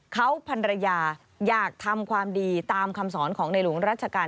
เขาพันรยาอยากทำความดีตามคำสอนของในหลวงรัชกาล